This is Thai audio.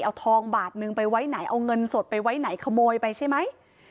เอาทองบาทนึงไปไว้ไหนเอาเงินสดไปไว้ไหนขโมยไปใช่ไหม